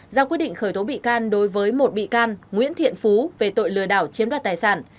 ra quyết định khởi tố bị can đối với một bị can nguyễn thiện phú về tội lừa đảo chiếm đoạt tài sản